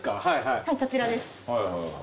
はいこちらです。